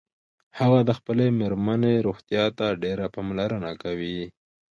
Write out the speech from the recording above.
هغه د خپلې میرمنیروغتیا ته ډیره پاملرنه کوي